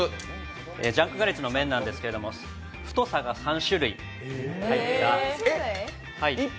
ジャンクガレッジの麺なんですけど、太さが３種類。